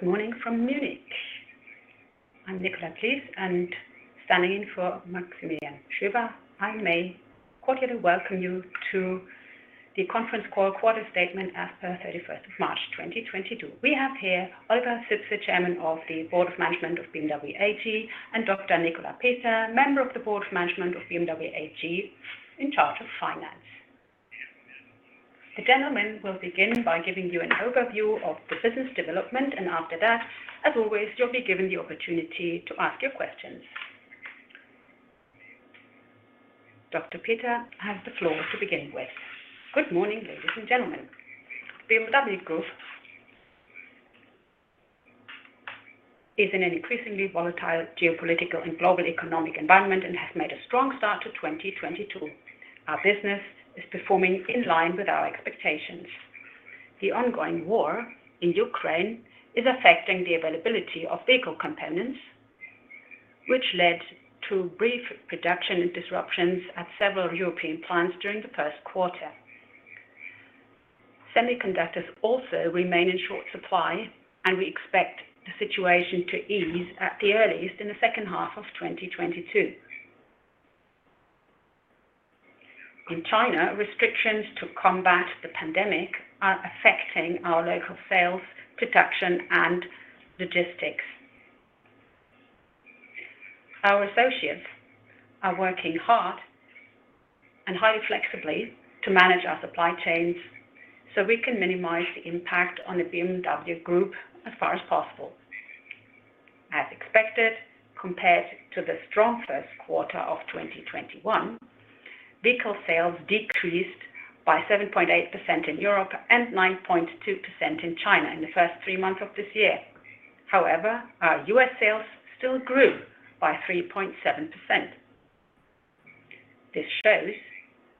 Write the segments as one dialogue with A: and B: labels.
A: Good morning from Munich. I'm Nikolai Glies and standing in for Maximilian Schöberl. I may cordially welcome you to the conference call quarter statement as per 31st of March 2022. We have here Oliver Zipse, Chairman of the Board of Management of BMW AG, and Dr. Nicolas Peter, Member of the Board of Management of BMW AG in charge of finance. The gentlemen will begin by giving you an overview of the business development, and after that, as always, you'll be given the opportunity to ask your questions. Dr. Peter has the floor to begin with. Good morning, ladies and gentlemen. BMW Group is in an increasingly volatile geopolitical and global economic environment and has made a strong start to 2022. Our business is performing in line with our expectations. The ongoing war in Ukraine is affecting the availability of vehicle components, which led to brief production disruptions at several European plants during the Q1. Semiconductors also remain in short supply, and we expect the situation to ease at the earliest in the second half of 2022. In China, restrictions to combat the pandemic are affecting our local sales, production, and logistics. Our associates are working hard and highly flexibly to manage our supply chains so we can minimize the impact on the BMW Group as far as possible. As expected, compared to the strong Q1 of 2021, vehicle sales decreased by 7.8% in Europe and 9.2% in China in the first three months of this year. However, our US sales still grew by 3.7%. This shows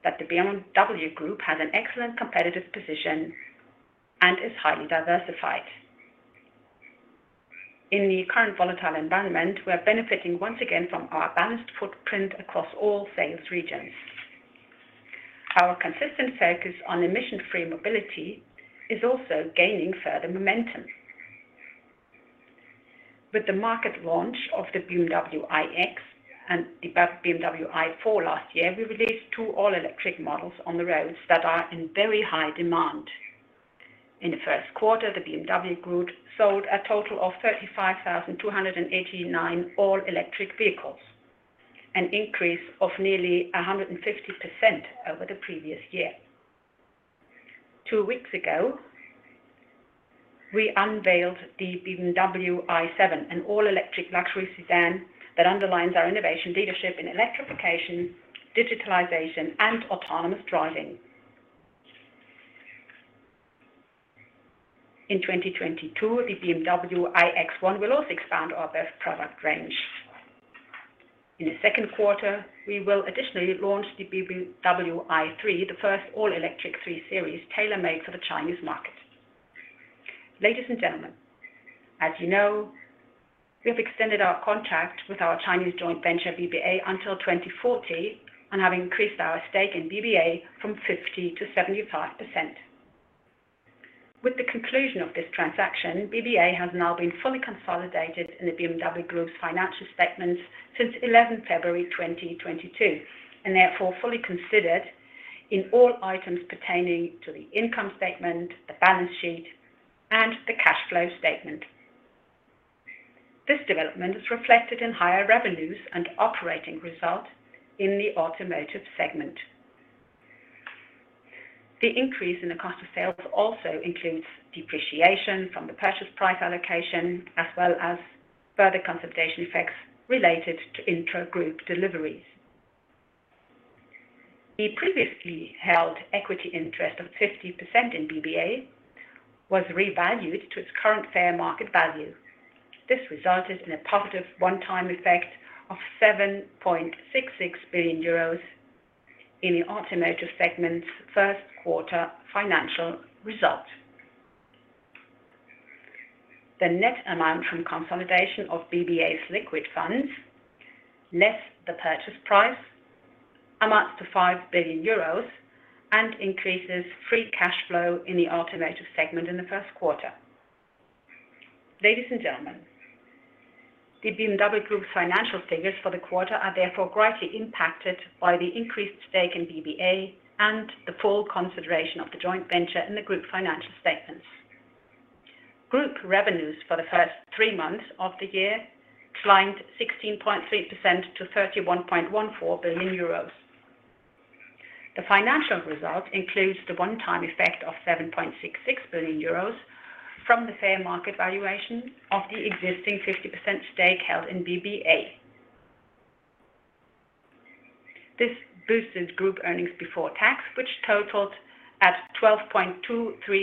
A: that the BMW Group has an excellent competitive position and is highly diversified. In the current volatile environment, we are benefiting once again from our balanced footprint across all sales regions. Our consistent focus on emission-free mobility is also gaining further momentum. With the market launch of the BMW iX and the BMW i4 last year, we released two all-electric models on the roads that are in very high demand. In the Q1, the BMW Group sold a total of 35,289 all-electric vehicles, an increase of nearly 150% over the previous year. Two weeks ago, we unveiled the BMW i7, an all-electric luxury sedan that underlines our innovation leadership in electrification, digitalization, and autonomous driving. In 2022, the BMW iX1 will also expand our best product range. In the Q2, we will additionally launch the BMW i3, the first all-electric three series tailor-made for the Chinese market. Ladies and gentlemen, as you know, we have extended our contract with our Chinese joint venture, BBA, until 2040 and have increased our stake in BBA from 50 to 75%. With the conclusion of this transaction, BBA has now been fully consolidated in the BMW Group's financial statements since 11 February 2022, and therefore fully considered in all items pertaining to the income statement, the balance sheet, and the cash flow statement. This development is reflected in higher revenues and operating results in the automotive segment. The increase in the cost of sales also includes depreciation from the purchase price allocation, as well as further consolidation effects related to intra-group deliveries. The previously held equity interest of 50% in BBA was revalued to its current fair market value. This resulted in a positive one-time effect of 7.66 billion euros in the Automotive segment's Q1 financial result. The net amount from consolidation of BBA's liquid funds less the purchase price amounts to 5 billion euros and increases free cash flow in the Automotive segment in the Q1. Ladies and gentlemen, the BMW Group's financial figures for the quarter are therefore greatly impacted by the increased stake in BBA and the full consideration of the joint venture in the group financial statements. Group revenues for the first three months of the year climbed 16.3% to 31.14 billion euros. The financial result includes the one-time effect of 7.66 billion euros from the fair market valuation of the existing 50% stake held in BBA. This boosted group earnings before tax, which totaled at 12.23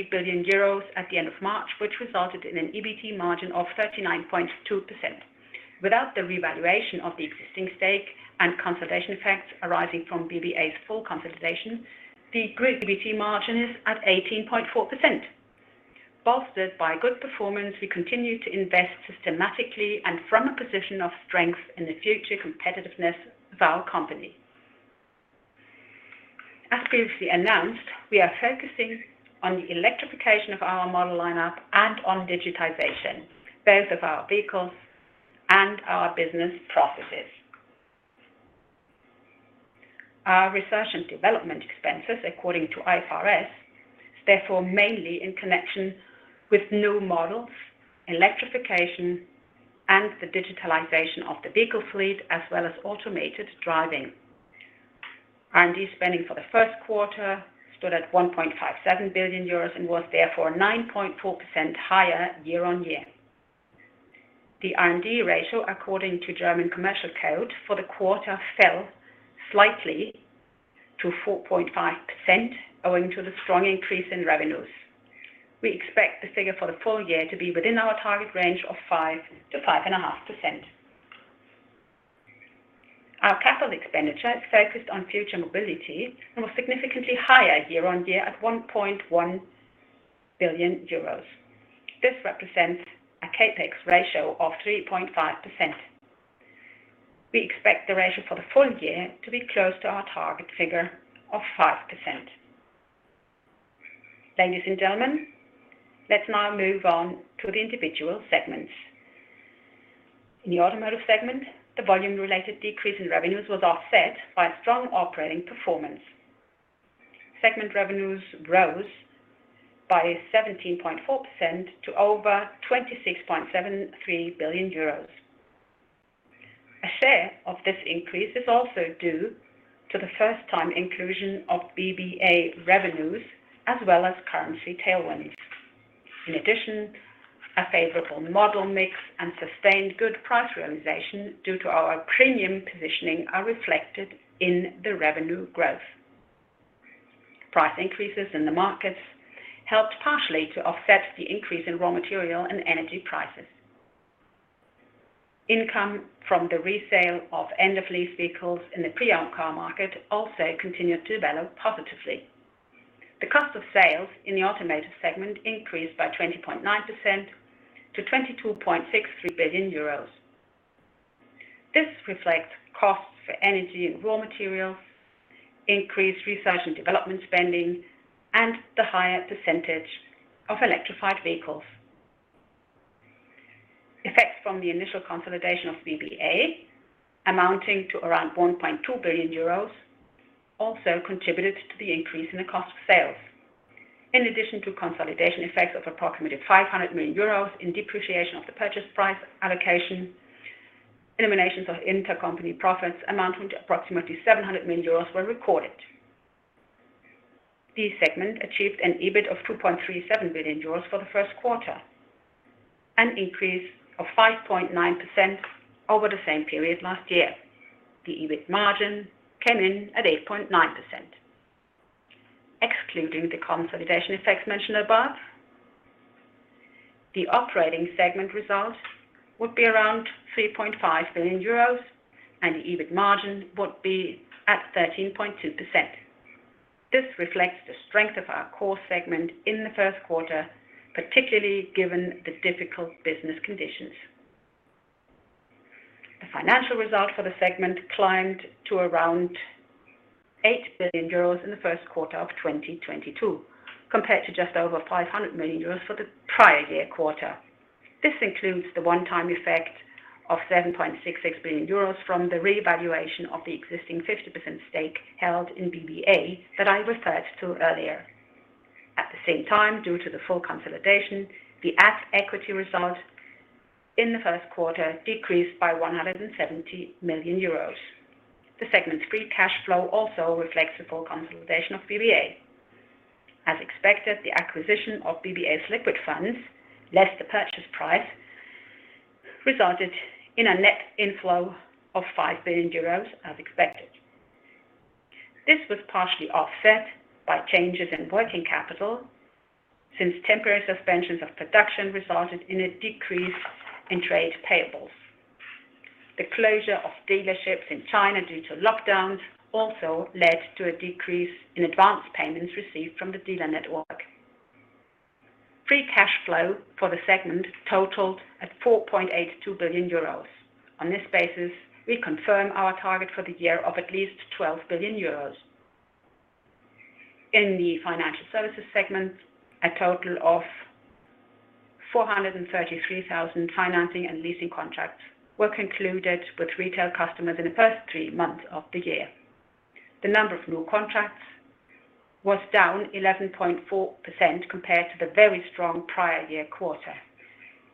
A: billion euros at the end of March, which resulted in an EBT margin of 39.2%. Without the revaluation of the existing stake and consolidation effects arising from BBA's full consolidation, the group EBT margin is at 18.4%. Bolstered by good performance, we continue to invest systematically and from a position of strength in the future competitiveness of our company. As previously announced, we are focusing on the electrification of our model lineup and on digitization, both of our vehicles and our business processes. Our research and development expenses according to IFRS, therefore, mainly in connection with new models, electrification and the digitalization of the vehicle fleet, as well as automated driving. R&D spending for the Q1 stood at 1.57 billion euros and was therefore 9.4% higher year-on-year. The R&D ratio, according to German Commercial Code for the quarter, fell slightly to 4.5% owing to the strong increase in revenues. We expect the figure for the full year to be within our target range of 5%-5.5%. Our capital expenditure is focused on future mobility and was significantly higher year-on-year at 1.1 billion euros. This represents a CapEx ratio of 3.5%. We expect the ratio for the full year to be close to our target figure of 5%. Ladies and gentlemen, let's now move on to the individual segments. In the automotive segment, the volume-related decrease in revenues was offset by strong operating performance. Segment revenues rose by 17.4% to over 26.73 billion euros. A share of this increase is also due to the first time inclusion of BBA revenues as well as currency tailwinds. In addition, a favorable model mix and sustained good price realization due to our premium positioning are reflected in the revenue growth. Price increases in the markets helped partially to offset the increase in raw material and energy prices. Income from the resale of end-of-lease vehicles in the pre-owned car market also continued to develop positively. The cost of sales in the automotive segment increased by 20.9% to 22.63 billion euros. This reflects costs for energy and raw materials, increased research and development spending, and the higher percentage of electrified vehicles. Effects from the initial consolidation of BBA amounting to around 1.2 billion euros also contributed to the increase in the cost of sales. In addition to consolidation effects of approximately 500 million euros in depreciation of the purchase price allocation, eliminations of intercompany profits amounting to approximately 700 million euros were recorded. The segment achieved an EBIT of 2.37 billion euros for the Q1, an increase of 5.9% over the same period last year. The EBIT margin came in at 8.9%. Excluding the consolidation effects mentioned above, the operating segment results would be around 3.5 billion euros and the EBIT margin would be at 13.2%. This reflects the strength of our core segment in the Q1, particularly given the difficult business conditions. The financial results for the segment climbed to around 8 billion euros in the Q1 of 2022, compared to just over 500 million euros for the prior year quarter. This includes the one-time effect of 7.66 billion euros from the revaluation of the existing 50% stake held in BBA that I referred to earlier. At the same time, due to the full consolidation, the at equity result in the Q1 decreased by 170 million euros. The segment's free cash flow also reflects the full consolidation of BBA. As expected, the acquisition of BBA's liquid funds, less the purchase price, resulted in a net inflow of 5 billion euros as expected. This was partially offset by changes in working capital since temporary suspensions of production resulted in a decrease in trade payables. The closure of dealerships in China due to lockdowns also led to a decrease in advance payments received from the dealer network. Free cash flow for the segment totaled 4.82 billion euros. On this basis, we confirm our target for the year of at least 12 billion euros. In the financial services segment, a total of 433,000 financing and leasing contracts were concluded with retail customers in the first three months of the year. The number of new contracts was down 11.4% compared to the very strong prior year quarter.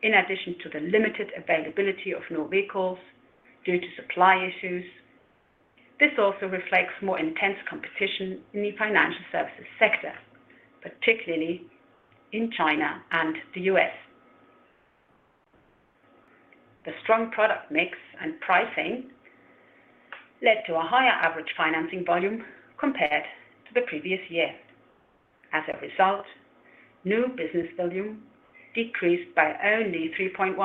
A: In addition to the limited availability of new vehicles due to supply issues, this also reflects more intense competition in the financial services sector, particularly in China and the US. The strong product mix and pricing led to a higher average financing volume compared to the previous year. As a result, new business volume decreased by only 3.1%.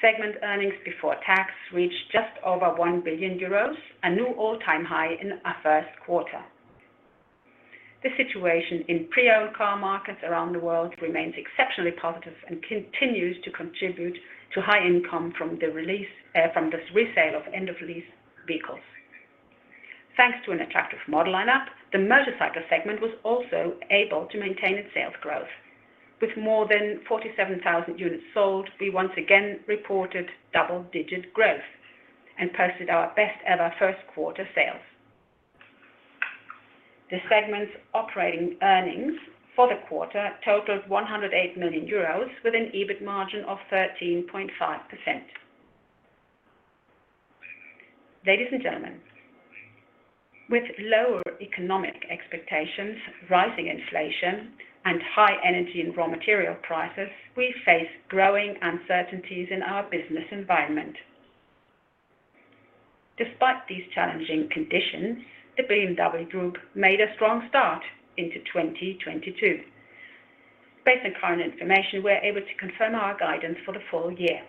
A: Segment earnings before tax reached just over 1 billion euros, a new all-time high in our Q1. The situation in pre-owned car markets around the world remains exceptionally positive and continues to contribute to high income from the release, from the resale of end-of-lease vehicles. Thanks to an attractive model lineup, the motorcycle segment was also able to maintain its sales growth. With more than 47,000 units sold, we once again reported double-digit growth and posted our best ever Q1 sales. The segment's operating earnings for the quarter totaled 108 million euros with an EBIT margin of 13.5%. Ladies and gentlemen, with lower economic expectations, rising inflation, and high energy and raw material prices, we face growing uncertainties in our business environment. Despite these challenging conditions, the BMW Group made a strong start into 2022. Based on current information, we're able to confirm our guidance for the full year.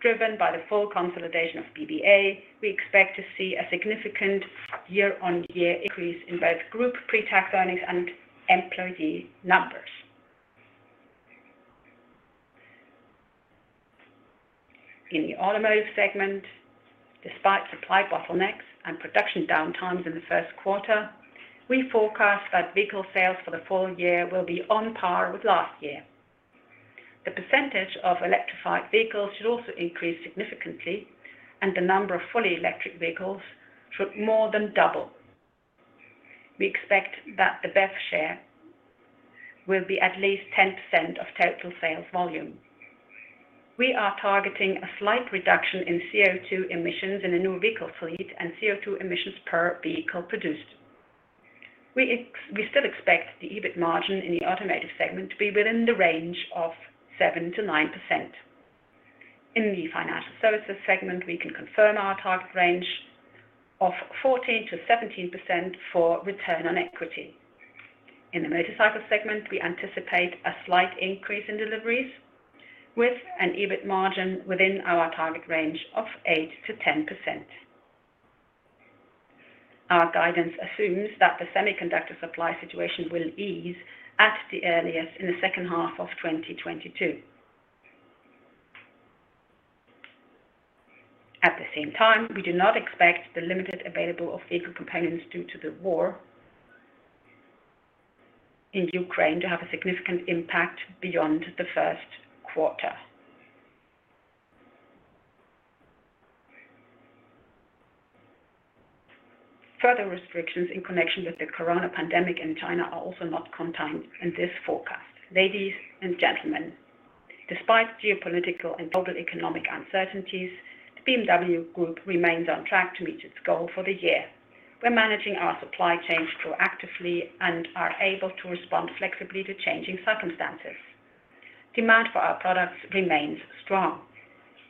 A: Driven by the full consolidation of BBA, we expect to see a significant year-on-year increase in both group pre-tax earnings and employee numbers. In the automotive segment, despite supply bottlenecks and production downtimes in the Q1, we forecast that vehicle sales for the full year will be on par with last year. The percentage of electrified vehicles should also increase significantly, and the number of fully electric vehicles should more than double. We expect that the BEV share will be at least 10% of total sales volume. We are targeting a slight reduction in CO₂ emissions in the new vehicle fleet and CO₂ emissions per vehicle produced. We still expect the EBIT margin in the automotive segment to be within the range of 7%-9%. In the financial services segment, we can confirm our target range of 14%-17% for return on equity. In the motorcycle segment, we anticipate a slight increase in deliveries with an EBIT margin within our target range of 8%-10%. Our guidance assumes that the semiconductor supply situation will ease at the earliest in the second half of 2022. At the same time, we do not expect the limited availability of vehicle components due to the war in Ukraine to have a significant impact beyond the Q1. Further restrictions in connection with the corona pandemic in China are also not contained in this forecast. Ladies and gentlemen, despite geopolitical and global economic uncertainties, the BMW Group remains on track to meet its goal for the year. We're managing our supply chains proactively and are able to respond flexibly to changing circumstances. Demand for our products remains strong,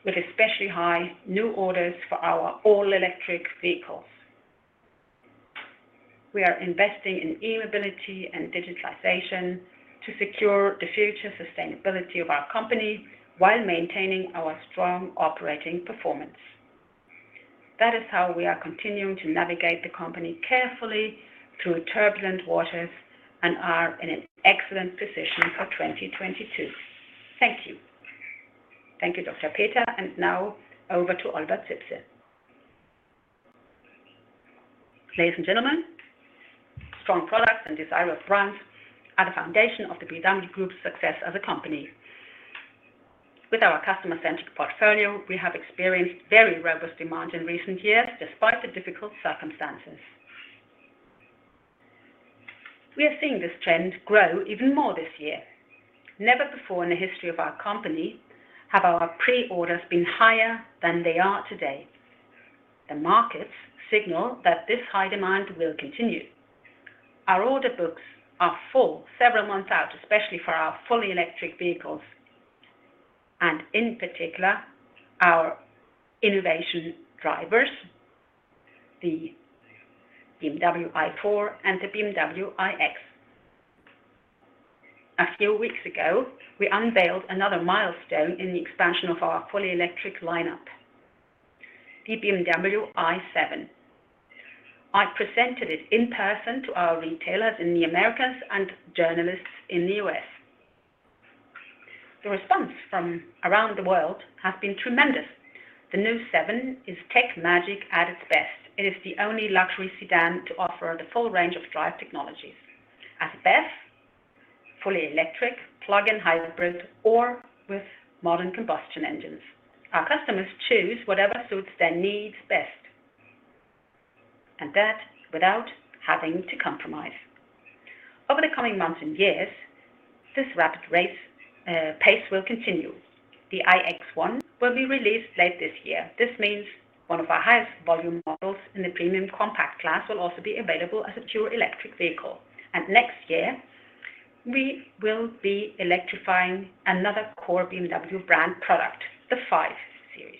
A: with especially high new orders for our all-electric vehicles. We are investing in e-mobility and digitalization to secure the future sustainability of our company while maintaining our strong operating performance. That is how we are continuing to navigate the company carefully through turbulent waters and are in an excellent position for 2022. Thank you. Thank you, Dr.
B: Peter, and now over to Oliver Zipse. Ladies and gentlemen, strong products and desirable brands are the foundation of the BMW Group's success as a company. With our customer-centric portfolio, we have experienced very robust demand in recent years, despite the difficult circumstances. We are seeing this trend grow even more this year. Never before in the history of our company have our pre-orders been higher than they are today. The markets signal that this high demand will continue. Our order books are full several months out, especially for our fully electric vehicles, and in particular, our innovation drivers, the BMW i4 and the BMW iX. A few weeks ago, we unveiled another milestone in the expansion of our fully electric lineup, the BMW i7. I presented it in person to our retailers in the Americas and journalists in the U.S. The response from around the world has been tremendous.
A: The new seven is tech magic at its best. It is the only luxury sedan to offer the full range of drive technologies as a BEV, fully electric, plug-in hybrid, or with modern combustion engines. Our customers choose whatever suits their needs best, and that without having to compromise. Over the coming months and years, this rapid pace will continue. The iX1 will be released late this year. This means one of our highest volume models in the premium compact class will also be available as a pure electric vehicle. Next year, we will be electrifying another core BMW brand product, the Five Series.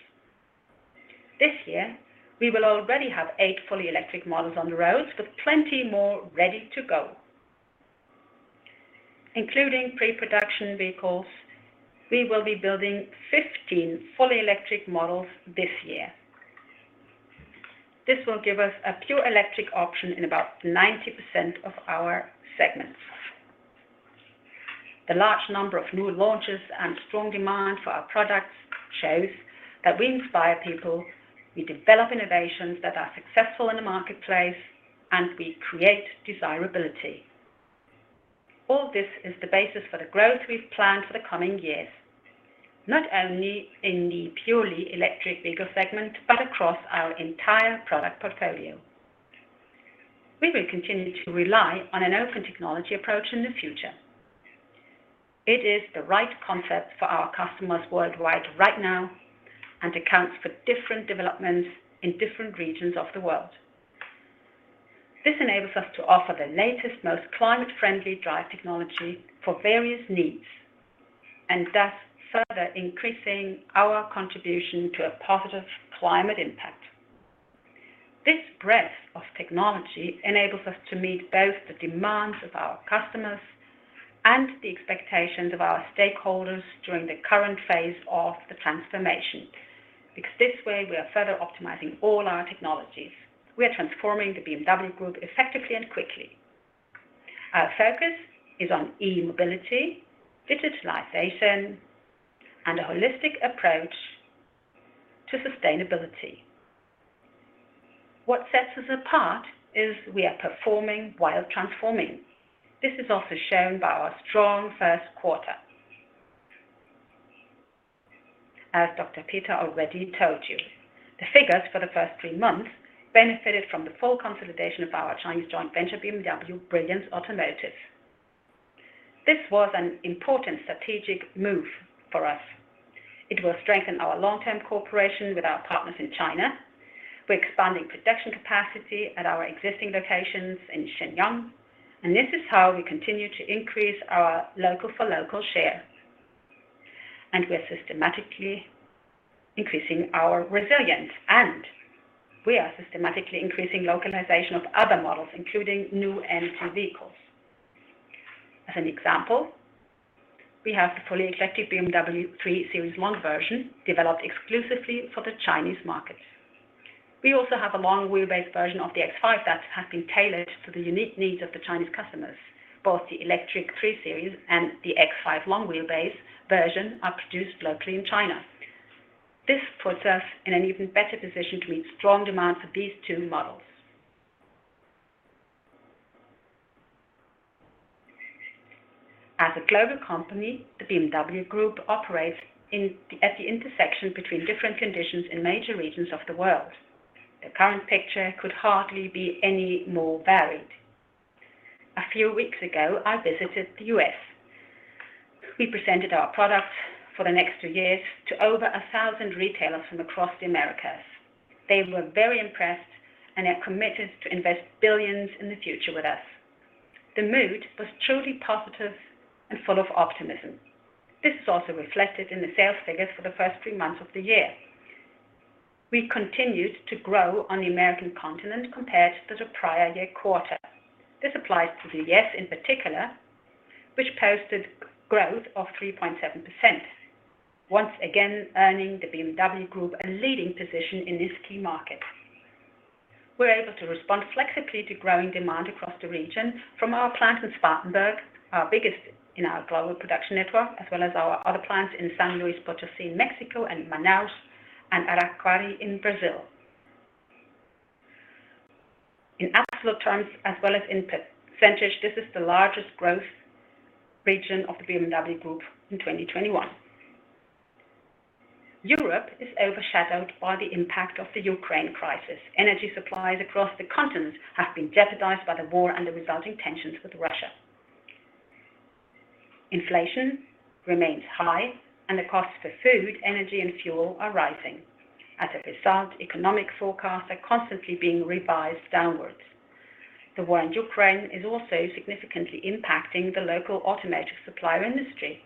A: This year, we will already have 8 fully electric models on the road with plenty more ready to go. Including preproduction vehicles, we will be building 15 fully electric models this year. This will give us a pure electric option in about 90% of our segments. The large number of new launches and strong demand for our products shows that we inspire people, we develop innovations that are successful in the marketplace, and we create desirability. All this is the basis for the growth we've planned for the coming years, not only in the purely electric vehicle segment, but across our entire product portfolio. We will continue to rely on an open technology approach in the future. It is the right concept for our customers worldwide right now and accounts for different developments in different regions of the world. This enables us to offer the latest, most climate-friendly drive technology for various needs and thus further increasing our contribution to a positive climate impact. This breadth of technology enables us to meet both the demands of our customers and the expectations of our stakeholders during the current phase of the transformation. Because this way, we are further optimizing all our technologies. We are transforming the BMW Group effectively and quickly. Our focus is on e-mobility, digitalization, and a holistic approach to sustainability. What sets us apart is we are performing while transforming. This is also shown by our strong Q1. As Dr. Nicolas Peter already told you, the figures for the first three months benefited from the full consolidation of our Chinese joint venture, BMW Brilliance Automotive. This was an important strategic move for us. It will strengthen our long-term cooperation with our partners in China. We're expanding production capacity at our existing locations in Shenyang, and this is how we continue to increase our local-for-local share. We are systematically increasing our resilience, and we are systematically increasing localization of other models, including new energy vehicles. As an example, we have the fully electric BMW three-series long version developed exclusively for the Chinese market. We also have a long-wheelbase version of the X5 that has been tailored to the unique needs of the Chinese customers. Both the electric three-series and the X5 long-wheelbase version are produced locally in China. This puts us in an even better position to meet strong demands for these two models. As a global company, the BMW Group operates at the intersection between different conditions in major regions of the world. The current picture could hardly be any more varied. A few weeks ago, I visited the US. We presented our products for the next two years to over 1,000 retailers from across the Americas. They were very impressed and are committed to invest billions in the future with us. The mood was truly positive and full of optimism. This is also reflected in the sales figures for the first three months of the year. We continued to grow on the American continent compared to the prior year quarter. This applies to the U.S. in particular, which posted growth of 3.7%, once again earning the BMW Group a leading position in this key market. We're able to respond flexibly to growing demand across the region from our plant in Spartanburg, our biggest in our global production network, as well as our other plants in San Luis Potosí in Mexico and Manaus and Araquari in Brazil. In absolute terms, as well as in percentage, this is the largest growth region of the BMW Group in 2021. Europe is overshadowed by the impact of the Ukraine crisis. Energy supplies across the continent have been jeopardized by the war and the resulting tensions with Russia. Inflation remains high, and the cost for food, energy, and fuel are rising. As a result, economic forecasts are constantly being revised downwards. The war in Ukraine is also significantly impacting the local automotive supplier industry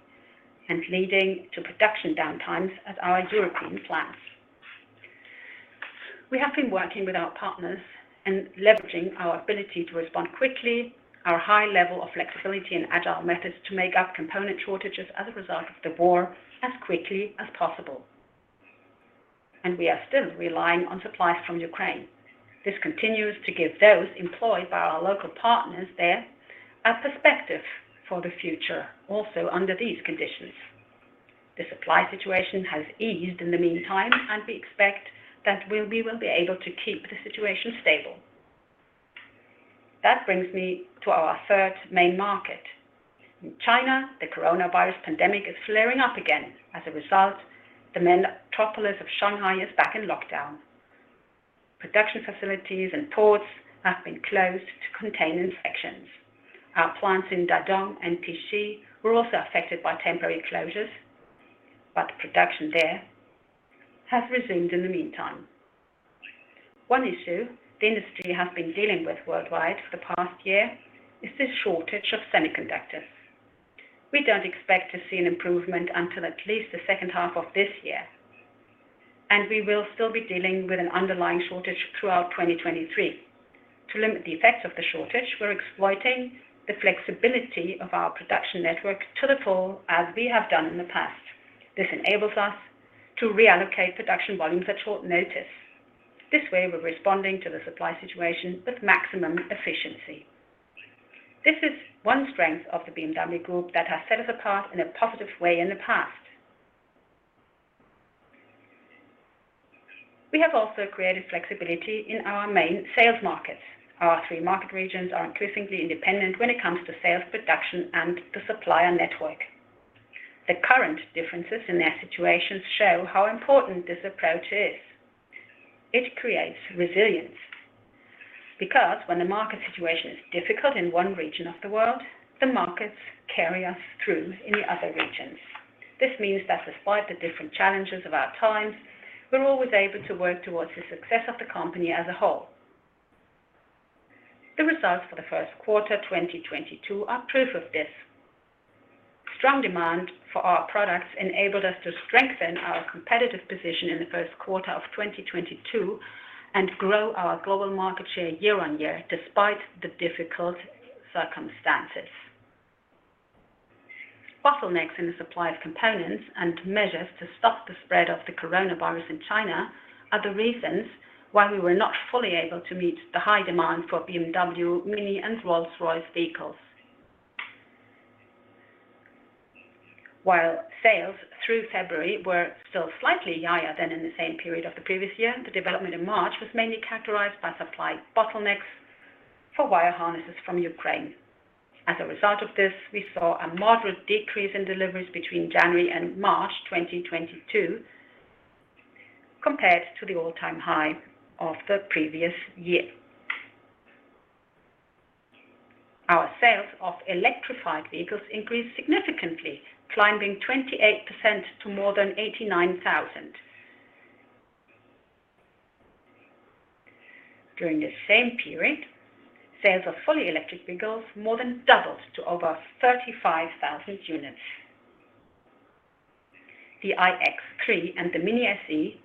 A: and leading to production downtimes at our European plants. We have been working with our partners and leveraging our ability to respond quickly, our high level of flexibility and agile methods to make up component shortages as a result of the war as quickly as possible. We are still relying on supplies from Ukraine. This continues to give those employed by our local partners there a perspective for the future, also under these conditions. The supply situation has eased in the meantime, and we expect that we will be able to keep the situation stable. That brings me to our third main market. In China, the coronavirus pandemic is flaring up again. As a result, the metropolis of Shanghai is back in lockdown. Production facilities and ports have been closed to contain infections. Our plants in Dadong and Tiexi were also affected by temporary closures, but production there has resumed in the meantime. One issue the industry has been dealing with worldwide for the past year is the shortage of semiconductors. We don't expect to see an improvement until at least the second half of this year. We will still be dealing with an underlying shortage throughout 2023. To limit the effects of the shortage, we're exploiting the flexibility of our production network to the full, as we have done in the past. This enables us to reallocate production volumes at short notice. This way, we're responding to the supply situation with maximum efficiency. This is one strength of the BMW Group that has set us apart in a positive way in the past. We have also created flexibility in our main sales markets. Our three market regions are increasingly independent when it comes to sales, production, and the supplier network. The current differences in their situations show how important this approach is. It creates resilience because when the market situation is difficult in one region of the world, the markets carry us through in the other regions. This means that despite the different challenges of our times, we're always able to work towards the success of the company as a whole. The results for the Q1 2022 are proof of this. Strong demand for our products enabled us to strengthen our competitive position in the Q1 of 2022 and grow our global market share year-on-year despite the difficult circumstances. Bottlenecks in the supply of components and measures to stop the spread of the coronavirus in China are the reasons why we were not fully able to meet the high demand for BMW, MINI, and Rolls-Royce vehicles. While sales through February were still slightly higher than in the same period of the previous year, the development in March was mainly characterized by supply bottlenecks for wire harnesses from Ukraine. As a result of this, we saw a moderate decrease in deliveries between January and March 2022 compared to the all-time high of the previous year. Our sales of electrified vehicles increased significantly, climbing 28% to more than 89,000. During the same period, sales of fully electric vehicles more than doubled to over 35,000 units. The iX3 and the MINI SE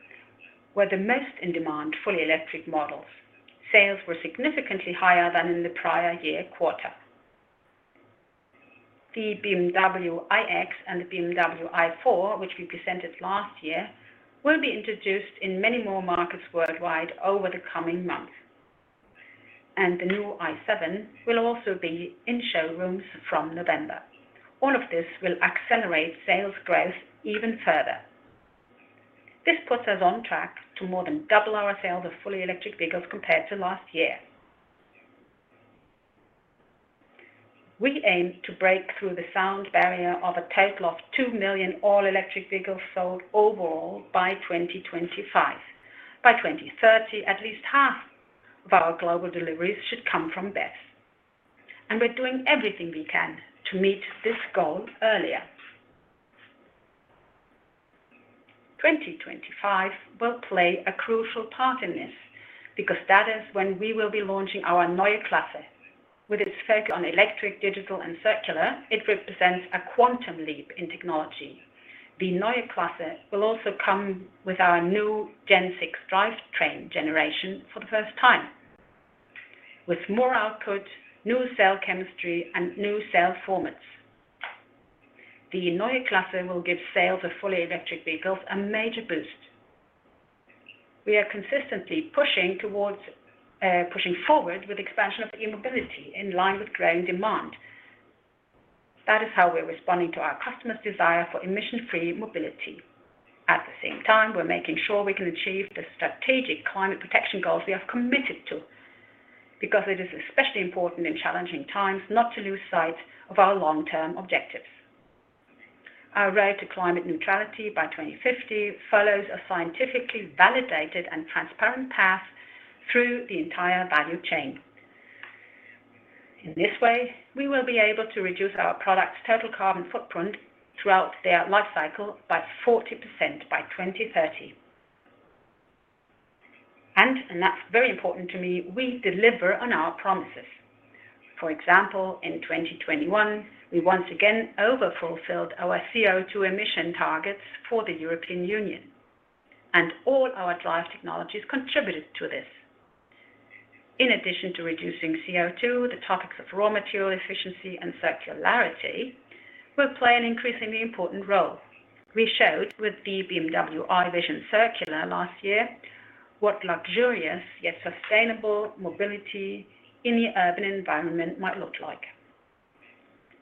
A: were the most in-demand fully electric models. Sales were significantly higher than in the prior year quarter. The BMW iX and the BMW i4, which we presented last year, will be introduced in many more markets worldwide over the coming months, and the new i7 will also be in showrooms from November. All of this will accelerate sales growth even further. This puts us on track to more than double our sales of fully electric vehicles compared to last year. We aim to break through the sound barrier of a total of 2 million all-electric vehicles sold overall by 2025. By 2030, at least half of our global deliveries should come from BEVs, and we're doing everything we can to meet this goal earlier. 2025 will play a crucial part in this because that is when we will be launching our Neue Klasse. With its focus on electric, digital, and circular, it represents a quantum leap in technology. The Neue Klasse will also come with our new Gen6 drivetrain generation for the first time. With more output, new cell chemistry, and new cell formats, the Neue Klasse will give sales of fully electric vehicles a major boost. We are consistently pushing forward with expansion of e-mobility in line with growing demand. That is how we're responding to our customers' desire for emission-free mobility. At the same time, we're making sure we can achieve the strategic climate protection goals we have committed to, because it is especially important in challenging times not to lose sight of our long-term objectives. Our road to climate neutrality by 2050 follows a scientifically validated and transparent path through the entire value chain. In this way, we will be able to reduce our products' total carbon footprint throughout their lifecycle by 40% by 2030. And that's very important to me, we deliver on our promises. For example, in 2021, we once again overfulfilled our CO2 emission targets for the European Union, and all our drive technologies contributed to this. In addition to reducing CO2, the topics of raw material efficiency and circularity will play an increasingly important role. We showed with the BMW i Vision Circular last year what luxurious yet sustainable mobility in the urban environment might look like.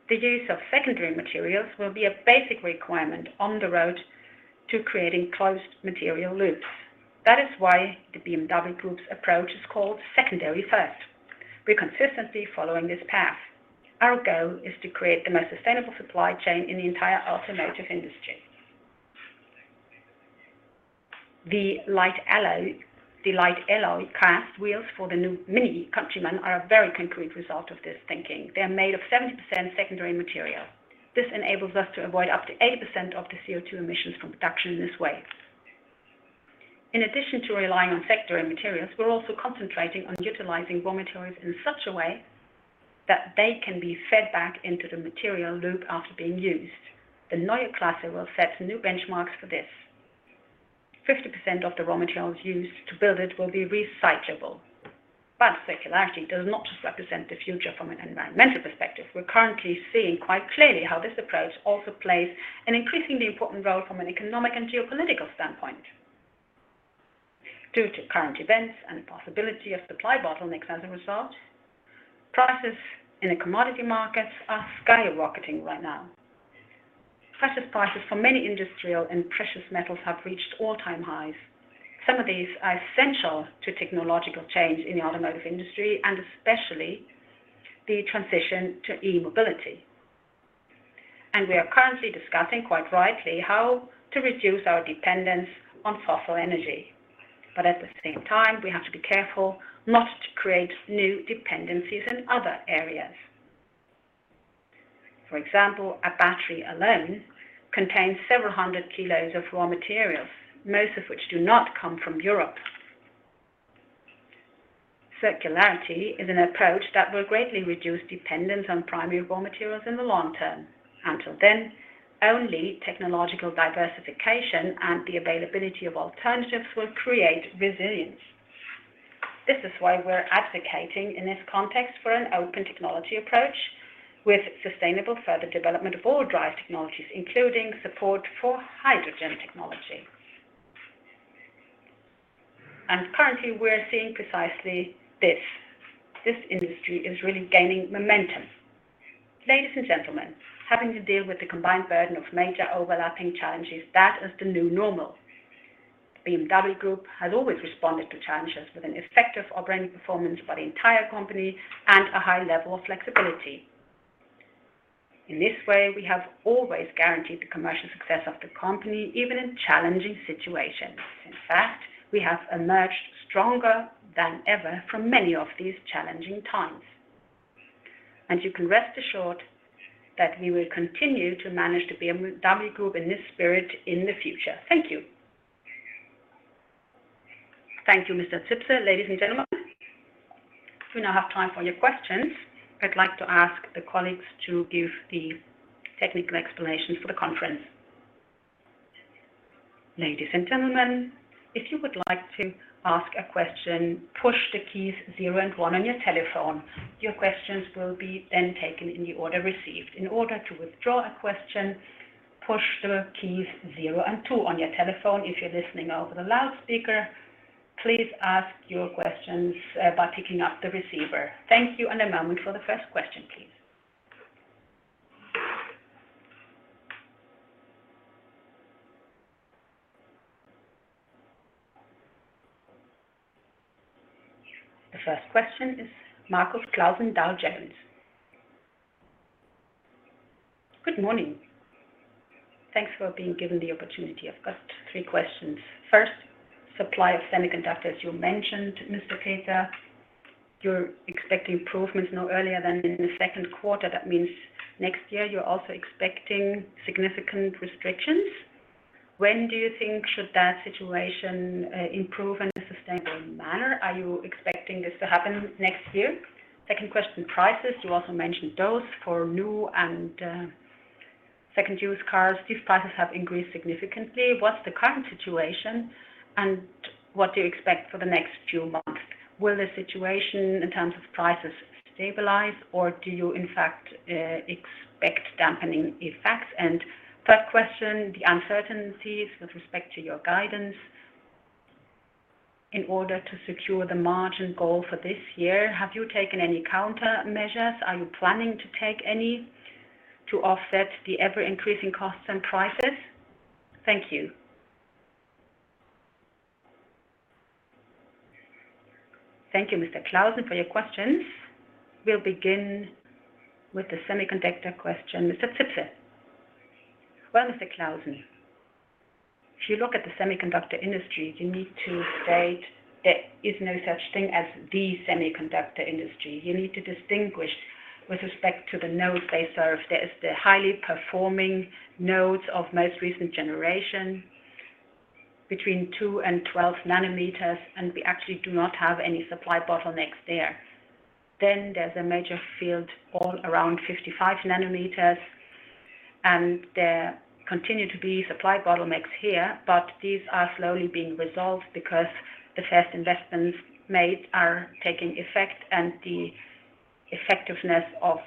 A: The use of secondary materials will be a basic requirement on the road to creating closed material loops. That is why the BMW Group's approach is called Secondary First. We're consistently following this path. Our goal is to create the most sustainable supply chain in the entire automotive industry. The light alloy, the light alloy cast wheels for the new MINI Countryman are a very concrete result of this thinking. They're made of 70% secondary material. This enables us to avoid up to 80% of the CO2 emissions from production in this way. In addition to relying on secondary materials, we're also concentrating on utilizing raw materials in such a way that they can be fed back into the material loop after being used. The Neue Klasse will set new benchmarks for this. 50% of the raw materials used to build it will be recyclable. Circularity does not just represent the future from an environmental perspective. We're currently seeing quite clearly how this approach also plays an increasingly important role from an economic and geopolitical standpoint. Due to current events and the possibility of supply bottlenecks as a result, prices in the commodity markets are skyrocketing right now. Prices for many industrial and precious metals have reached all-time highs. Some of these are essential to technological change in the automotive industry, and especially the transition to e-mobility. We are currently discussing, quite rightly, how to reduce our dependence on fossil energy. At the same time, we have to be careful not to create new dependencies in other areas. For example, a battery alone contains several hundred kilos of raw materials, most of which do not come from Europe. Circularity is an approach that will greatly reduce dependence on primary raw materials in the long term. Until then, only technological diversification and the availability of alternatives will create resilience. This is why we're advocating, in this context, for an open technology approach with sustainable further development of all drive technologies, including support for hydrogen technology. Currently, we're seeing precisely this. This industry is really gaining momentum. Ladies and gentlemen, having to deal with the combined burden of major overlapping challenges, that is the new normal. The BMW Group has always responded to challenges with an effective operating performance by the entire company and a high level of flexibility. In this way, we have always guaranteed the commercial success of the company, even in challenging situations. In fact, we have emerged stronger than ever from many of these challenging times. You can rest assured that we will continue to manage the BMW Group in this spirit in the future. Thank you. Thank you, Mr. Zipse. Ladies and gentlemen, we now have time for your questions. I'd like to ask the colleagues to give the technical explanations for the conference. Ladies and gentlemen, if you would like to ask a question, push the keys zero and one on your telephone. Your questions will be then taken in the order received. In order to withdraw a question, push the keys zero and two on your telephone. If you're listening over the loudspeaker, please ask your questions by picking up the receiver. Thank you. A moment for the first question, please. The first question is Markus Klausen, Der Aktionär. Good morning.
C: Thanks for being given the opportunity. I've got three questions. First, supply of semiconductors. You mentioned, Mr. Peter, you're expecting improvements no earlier than in the Q2. That means next year you're also expecting significant restrictions. When do you think should that situation improve in a sustainable manner? Are you expecting this to happen next year? Second question, prices. You also mentioned those for new and second-hand cars. These prices have increased significantly. What's the current situation, and what do you expect for the next few months? Will the situation in terms of prices stabilize, or do you, in fact, expect dampening effects? Third question, the uncertainties with respect to your guidance in order to secure the margin goal for this year. Have you taken any countermeasures? Are you planning to take any to offset the ever-increasing costs and prices? Thank you. Thank you, Mr.
A: Klausen, for your questions. We'll begin with the semiconductor question. Mr. Zipse. Well, Mr. Klausen, if you look at the semiconductor industry, you need to state there is no such thing as the semiconductor industry. You need to distinguish with respect to the nodes they serve. There is the highly performing nodes of most recent generation between 2 and 12 nanometers, and we actually do not have any supply bottlenecks there. Then there's a major field all around 55 nanometers, and there continue to be supply bottlenecks here, but these are slowly being resolved because the first investments made are taking effect and the effectiveness of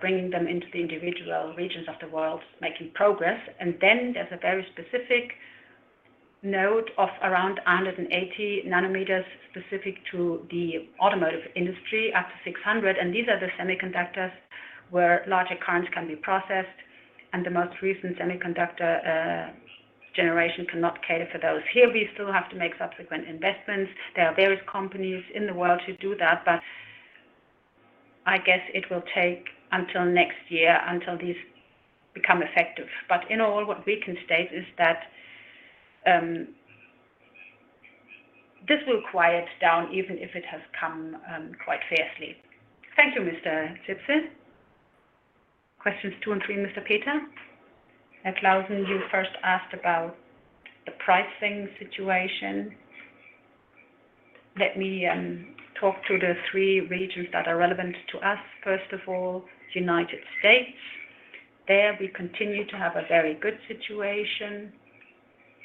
A: bringing them into the individual regions of the world is making progress. Then there's a very specific node of around 180 nanometers specific to the automotive industry, up to 600, and these are the semiconductors where larger currents can be processed, and the most recent semiconductor generation cannot cater for those. Here, we still have to make subsequent investments. There are various companies in the world who do that, but I guess it will take until next year until these become effective. But in all, what we can state is that, this will quiet down even if it has come, quite fiercely. Thank you, Mr. Zipse. Questions two and three, Mr. Peter. And Klausen, you first asked about the pricing situation. Let me, talk through the three regions that are relevant to us. First of all, United States. There, we continue to have a very good situation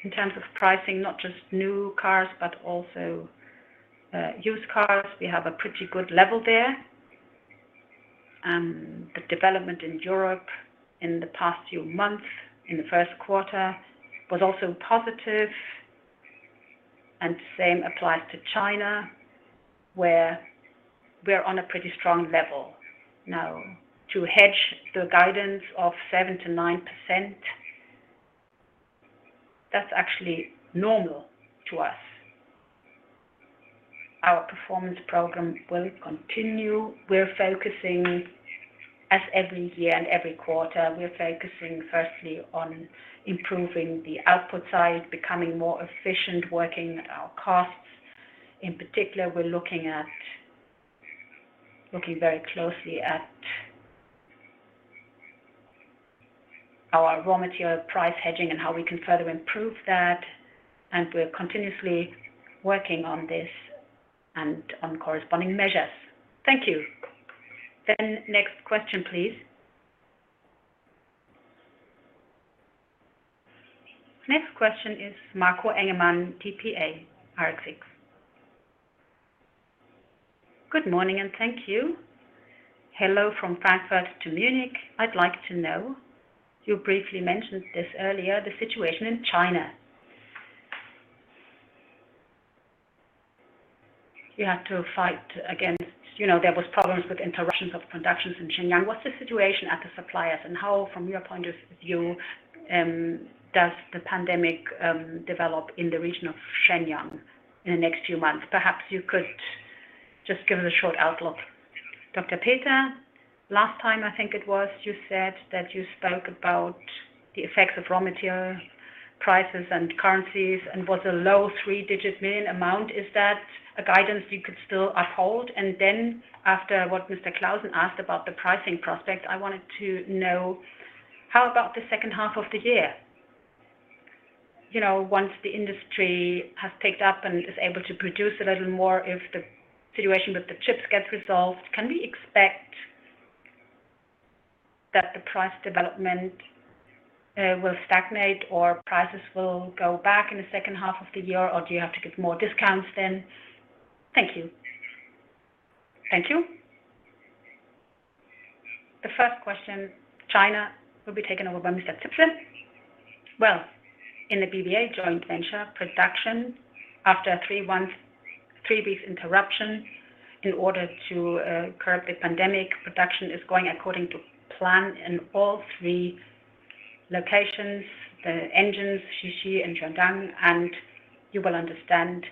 A: in terms of pricing, not just new cars, but also used cars. We have a pretty good level there. The development in Europe in the past few months, in the Q1, was also positive, and same applies to China, where we're on a pretty strong level. Now, to hedge the guidance of 7%-9%, that's actually normal to us. Our performance program will continue. We're focusing, as every year and every quarter, firstly on improving the output side, becoming more efficient, working our costs. In particular, we're looking very closely at our raw material price hedging and how we can further improve that, and we're continuously working on this and on corresponding measures. Thank you. Then next question, please. Next question is Marco Engemann, dpa-AFX. Good morning, and thank you.
D: Hello from Frankfurt to Munich. I'd like to know, you briefly mentioned this earlier, the situation in China. You had to fight against, you know, there was problems with interruptions of productions in Shenyang. What's the situation at the suppliers and how, from your point of view, does the pandemic develop in the region of Shenyang in the next few months? Perhaps you could just give us a short outlook. Dr. Peter. Last time, I think it was, you said that you spoke about the effects of raw material prices and currencies and was a low three-digit million EUR amount. Is that a guidance you could still uphold? Then after what Mr. Klausen asked about the pricing prospect, I wanted to know, how about the second half of the year?
A: You know, once the industry has picked up and is able to produce a little more, if the situation with the chips gets resolved, can we expect that the price development will stagnate or prices will go back in the second half of the year or do you have to give more discounts then? Thank you. Thank you. The first question, China, will be taken over by Mr. Zipse. Well, in the BBA joint venture, production after three weeks interruption in order to curb the pandemic, production is going according to plan in all three locations, Dadong, Tiexi and Jiading, and you will understand,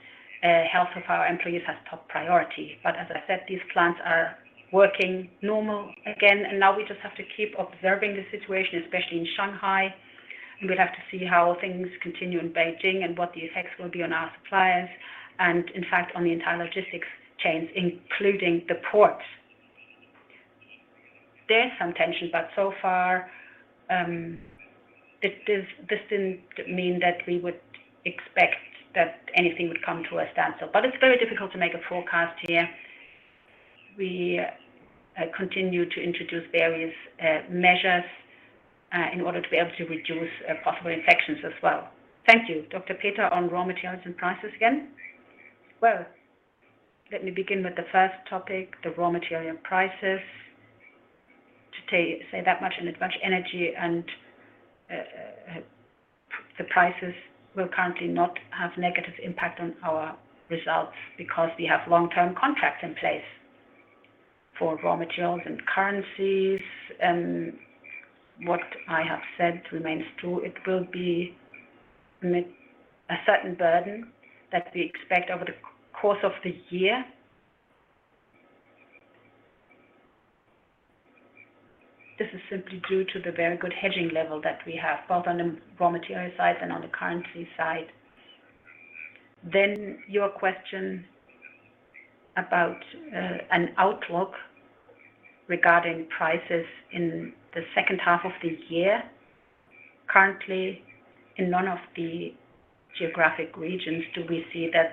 A: health of our employees has top priority. But as I said, these plants are working normal again, and now we just have to keep observing the situation, especially in Shanghai. We'll have to see how things continue in Beijing and what the effects will be on our suppliers and, in fact, on the entire logistics chains, including the ports. There's some tension, but so far, this didn't mean that we would expect that anything would come to a standstill. It's very difficult to make a forecast here. We continue to introduce various measures in order to be able to reduce possible infections as well. Thank you. Dr. Peter, on raw materials and prices again. Well, let me begin with the first topic, the raw material prices. To say that much in as much energy and the prices will currently not have negative impact on our results because we have long-term contracts in place for raw materials and currencies. What I have said remains true. It will be a certain burden that we expect over the course of the year. This is simply due to the very good hedging level that we have, both on the raw material side and on the currency side. Your question about an outlook regarding prices in the second half of the year. Currently, in none of the geographic regions do we see that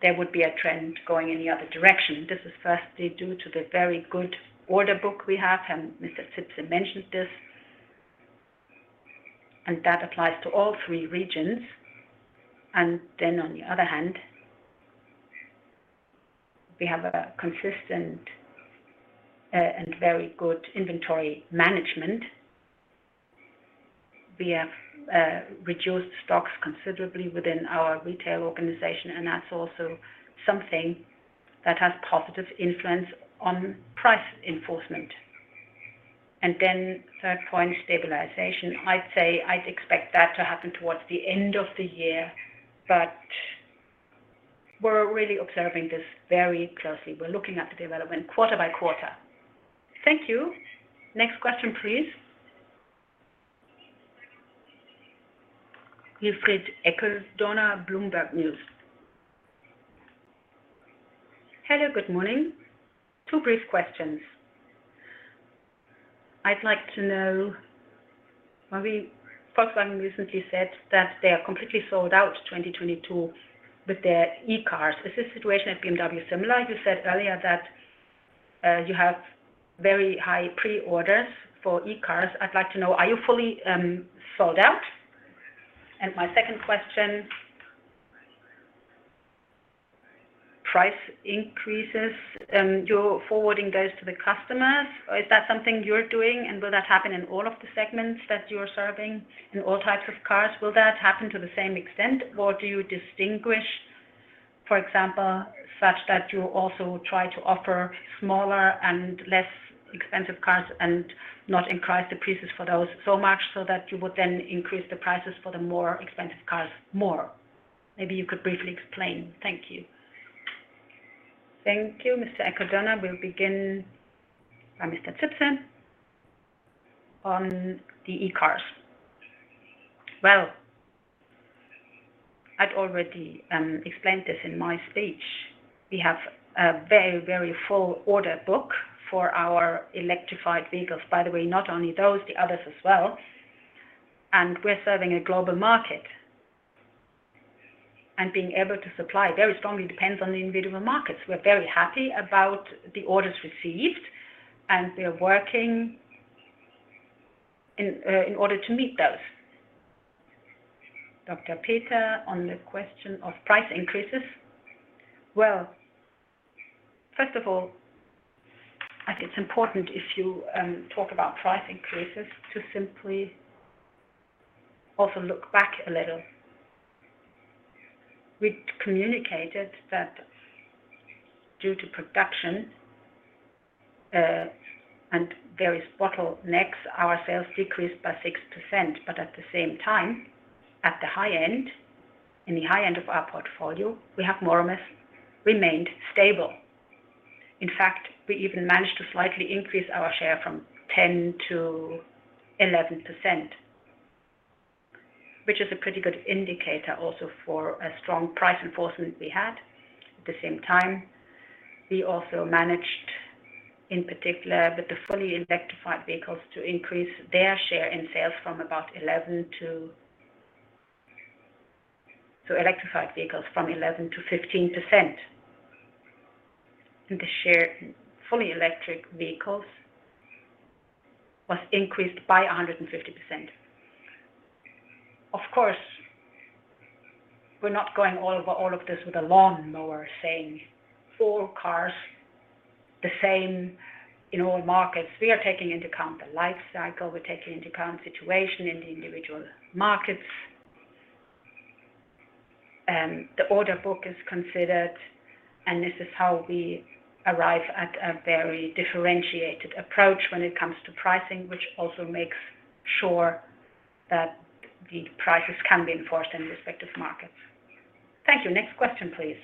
A: there would be a trend going any other direction. This is firstly due to the very good order book we have, and Mr. Zipse mentioned this. That applies to all three regions. On the other hand, we have a consistent and very good inventory management. We have reduced stocks considerably within our retail organization, and that's also something that has positive influence on price enforcement. Third point, stabilization. I'd say I'd expect that to happen towards the end of the year, but we're really observing this very closely. We're looking at the development quarter by quarter. Thank you. Next question, please. Wilfried Eckl-Dorna, Bloomberg News. Hello, good morning. Two brief questions. I'd like to know, Volkswagen recently said that they are completely sold out 2022 with their e-cars. Is this situation at BMW similar? You said earlier that, you have very high pre-orders for e-cars. I'd like to know, are you fully, sold out? And my second question, price increases, you're forwarding those to the customers, or is that something you're doing? And will that happen in all of the segments that you're serving, in all types of cars? Will that happen to the same extent, or do you distinguish, for example, such that you also try to offer smaller and less expensive cars and not increase the prices for those so much so that you would then increase the prices for the more expensive cars more? Maybe you could briefly explain. Thank you. Thank you, Mr. Eckl-Dorna. We'll begin by Mr. Zipse. On the e-cars. Well, I'd already explained this in my speech. We have a very, very full order book for our electrified vehicles, by the way, not only those, the others as well, and we're serving a global market. Being able to supply very strongly depends on the individual markets. We're very happy about the orders received, and we are working in order to meet those. Dr. Peter, on the question of price increases. Well, first of all, I think it's important if you talk about price increases to simply also look back a little. We communicated that due to production and various bottlenecks, our sales decreased by 6%. At the same time, at the high end of our portfolio, we have more or less remained stable. In fact, we even managed to slightly increase our share from 10% to 11%, which is a pretty good indicator also for a strong price enforcement we had. At the same time, we also managed, in particular, with the fully electrified vehicles, to increase their share in sales from about 11% to 15%. The share in fully electric vehicles was increased by 150%. Of course, we're not going all over all of this with a lawnmower saying, "Four cars, the same in all markets." We are taking into account the life cycle, we're taking into account situation in the individual markets. The order book is considered, and this is how we arrive at a very differentiated approach when it comes to pricing, which also makes sure that the prices can be enforced in respective markets. Thank you. Next question, please.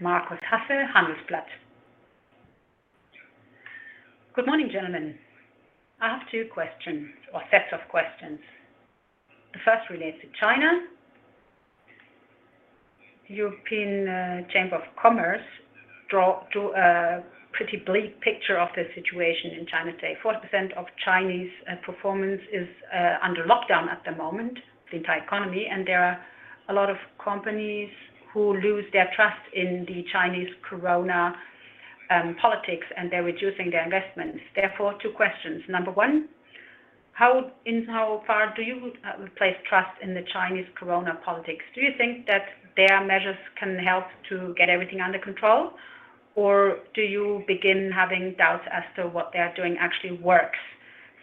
A: Marco Tassel, Handelsblatt. Good morning, gentlemen. I have two questions or sets of questions. The first relates to China. European Union Chamber of Commerce in China drew a pretty bleak picture of the situation in China today.
E: 40% of Chinese performance is under lockdown at the moment, the entire economy, and there are a lot of companies who lose their trust in the Chinese corona politics, and they're reducing their investments. Therefore, two questions. Number one, how far do you place trust in the Chinese corona politics? Do you think that their measures can help to get everything under control? Or do you begin having doubts as to what they are doing actually works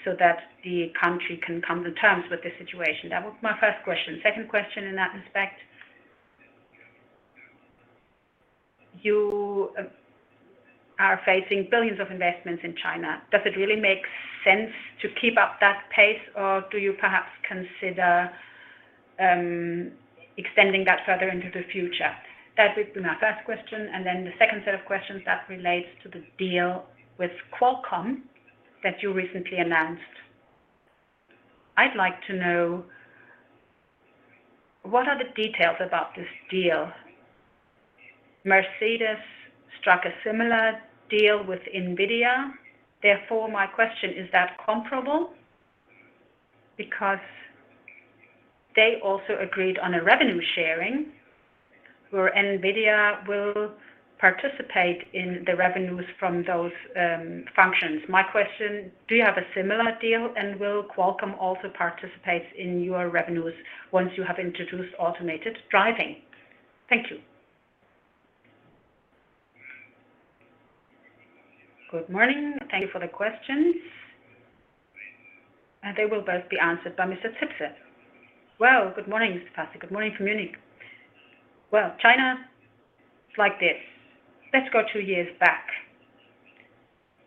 E: so that the country can come to terms with the situation? That was my first question. Second question in that respect, you are facing billions of investments in China. Does it really make sense to keep up that pace, or do you perhaps consider extending that further into the future? That would been my first question.
A: Then the second set of questions, that relates to the deal with Qualcomm that you recently announced. I'd like to know what are the details about this deal? Mercedes struck a similar deal with NVIDIA. Therefore, my question, is that comparable? Because they also agreed on a revenue sharing, where NVIDIA will participate in the revenues from those, functions. My question, do you have a similar deal? And will Qualcomm also participate in your revenues once you have introduced automated driving? Thank you. Good morning. Thank you for the questions. They will both be answered by Mr. Zipse. Well, good morning, Mr. Tassel. Good morning, community. Well, China, it's like this. Let's go two years back.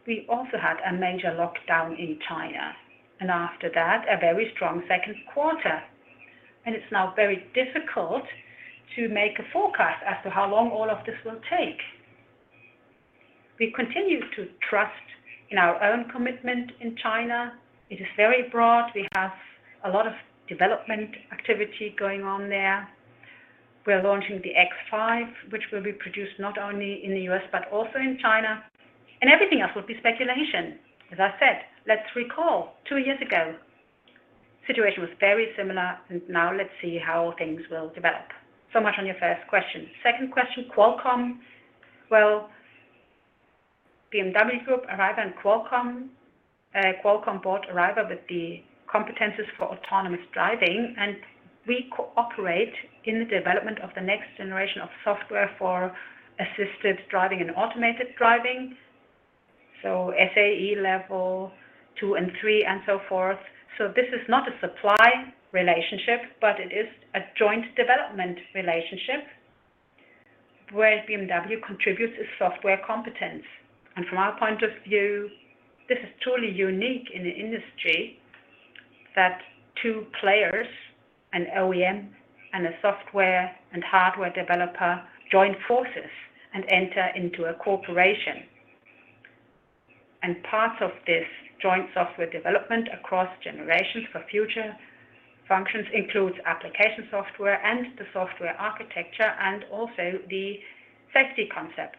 A: We also had a major lockdown in China, and after that, a very strongQ2. It's now very difficult to make a forecast as to how long all of this will take. We continue to trust in our own commitment in China. It is very broad. We have a lot of development activity going on there. We are launching the X5, which will be produced not only in the US, but also in China, and everything else would be speculation. As I said, let's recall two years ago, situation was very similar, and now let's see how things will develop. Much on your first question. Second question, Qualcomm. Well, BMW Group Arriver on Qualcomm. Qualcomm bought Arriver with the competencies for autonomous driving, and we cooperate in the development of the next generation of software for assisted driving and automated driving, so SAE level two and three and so forth. This is not a supply relationship, but it is a joint development relationship where BMW contributes its software competence. From our point of view, this is truly unique in the industry that two players, an OEM and a software and hardware developer, join forces and enter into a cooperation. Part of this joint software development across generations for future functions includes application software and the software architecture and also the safety concept,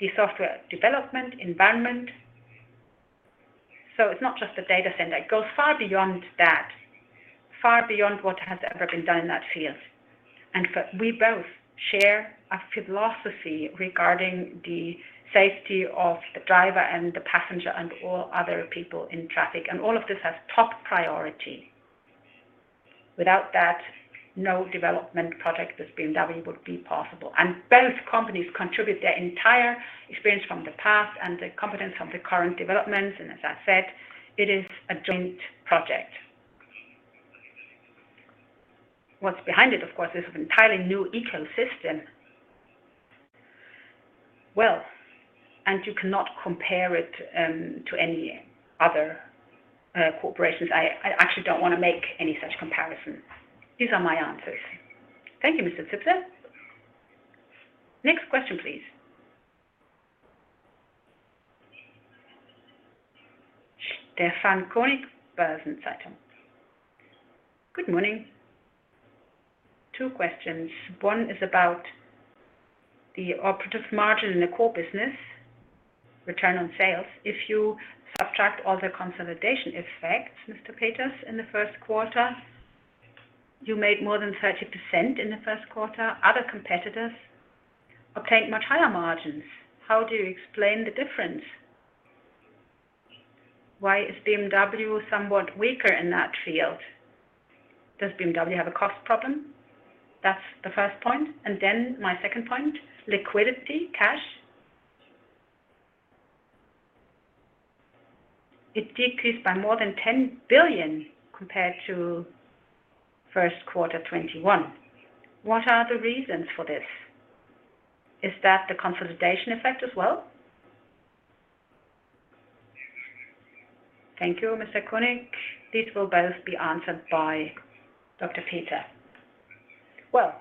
A: the software development environment. It's not just a data center. It goes far beyond that, far beyond what has ever been done in that field. We both share a philosophy regarding the safety of the driver and the passenger and all other people in traffic, and all of this has top priority. Without that, no development project with BMW would be possible. Both companies contribute their entire experience from the past and the competence of the current developments, and as I said, it is a joint project. What's behind it, of course, is an entirely new ecosystem. Well, you cannot compare it to any other corporations. I actually don't wanna make any such comparisons. These are my answers.
F: Thank you, Mr. Zipse. Next question, please.
G: Stefan König, Börsen-Zeitung. Good morning. Two questions. One is about the operating margin in the core business, return on sales. If you subtract all the consolidation effects, Mr. Peter, in the Q1, you made more than 30% in the Q1. Other competitors obtained much higher margins. How do you explain the difference? Why is BMW somewhat weaker in that field? Does BMW have a cost problem? That's the first point. Then my second point, liquidity, cash. It decreased by more than 10 billion compared to Q1 2021. What are the reasons for this? Is that the consolidation effect as well?
F: Thank you, Mr. König. These will both be answered by Dr. Peter.
A: Well,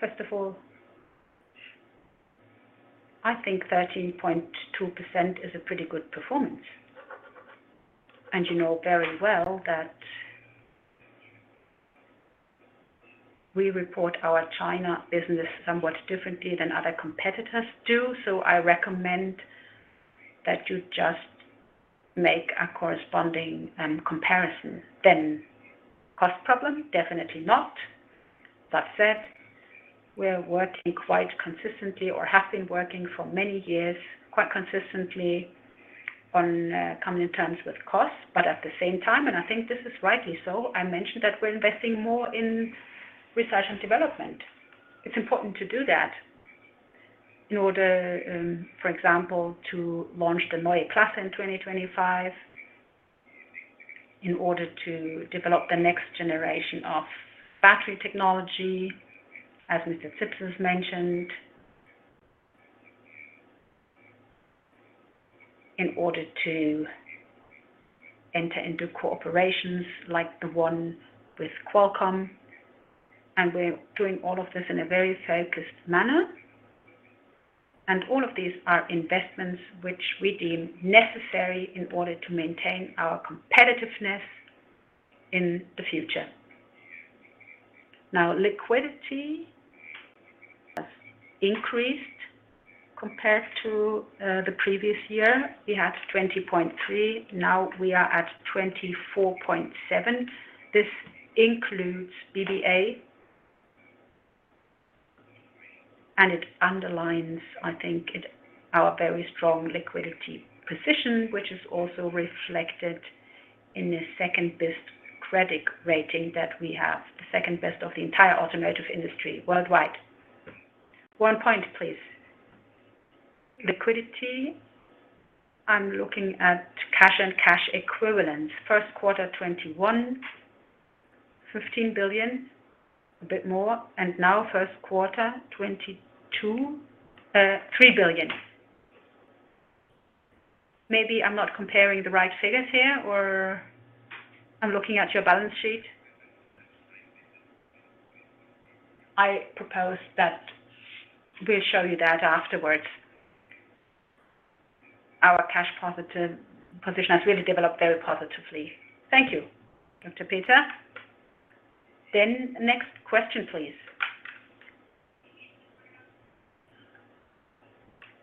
A: first of all, I think 13.2% is a pretty good performance. You know very well that we report our China business somewhat differently than other competitors do. I recommend that you just make a corresponding comparison. Cost problem, definitely not. That said, we're working quite consistently or have been working for many years quite consistently on coming to terms with costs. At the same time, and I think this is rightly so, I mentioned that we're investing more in research and development. It's important to do that in order for example, to launch the Neue Klasse in 2025, in order to develop the next generation of battery technology, as Mr. Zipse has mentioned. In order to enter into cooperations like the one with Qualcomm, and we're doing all of this in a very focused manner, and all of these are investments which we deem necessary in order to maintain our competitiveness in the future. Liquidity has increased compared to the previous year. We had 20.3 billion. Now we are at 24.7 billion. This includes BBA, and it underlines, I think, our very strong liquidity position, which is also reflected in the second-best credit rating that we have, the second-best of the entire automotive industry worldwide.
H: One point, please.
I: Liquidity, I'm looking at cash and cash equivalents. Q1 2021, 15 billion, a bit more, and now Q1 2022, three billion. Maybe I'm not comparing the right figures here, or I'm looking at your balance sheet. I propose that we'll show you that afterwards. Our cash positive position has really developed very positively.
A: Thank you, Dr. Peter. Next question, please.